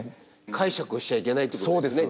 解釈をしちゃいけないってことですね